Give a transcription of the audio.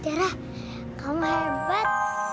dara kamu hebat